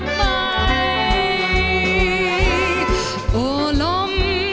โปรดติดตามต่อไป